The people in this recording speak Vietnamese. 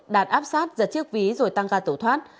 đạt áp sát giật chiếc ví rồi tăng ca tổ thoát